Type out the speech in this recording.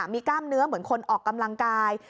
มีกล้ามเนื้อเหมือนคนออกกำลังกาย